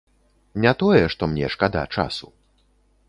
Не тое, што мне шкада часу.